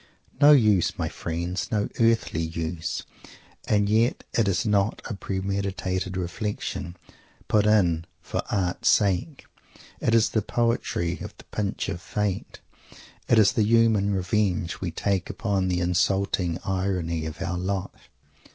No use, my friend! No earthly use! And yet it is not a premeditated reflection, put in "for art's sake." It is the poetry of the pinch of Fate; it is the human revenge we take upon the insulting irony of our lot.